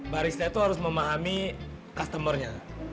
barisnya itu harus memahami customer nya